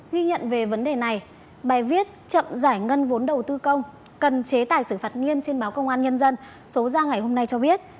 ghi nhận về vấn đề này bài viết chậm giải ngân vốn đầu tư công cần chế tài xử phạt nghiêm trên báo công an nhân dân số ra ngày hôm nay cho biết